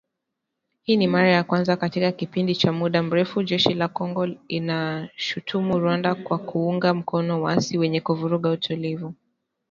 Hii ni mara ya kwanza katika kipindi cha muda mrefu, Jeshi la Kongo linaishutumu Rwanda kwa kuunga mkono waasi wenye kuvuruga utulivu